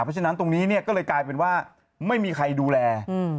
เพราะฉะนั้นตรงนี้เนี่ยก็เลยกลายเป็นว่าไม่มีใครดูแล